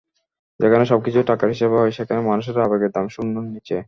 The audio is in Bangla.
যেখানে সবকিছু টাকার হিসাবে হয়, সেখানে মানুষের আবেগের দাম শূন্যের নিচে।